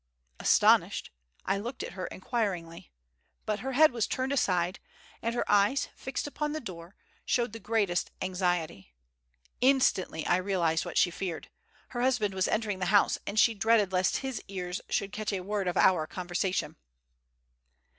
Astonished, I looked at her inquiringly, but her head was turned aside, and her eyes, fixed upon the door, showed the greatest anxiety. Instantly I realized what she feared. Her husband was entering the house, and she dreaded lest his ears should catch a word of our conversation.